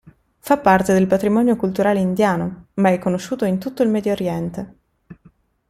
Fa parte del patrimonio culturale indiano, ma è conosciuto in tutto il Medio Oriente.